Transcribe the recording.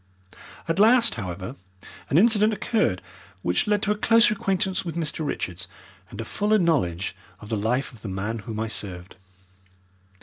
At last, however, an incident occurred which led to a closer acquaintance with Mr. Richards and a fuller knowledge of the life of the man whom I served.